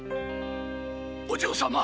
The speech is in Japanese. お嬢様。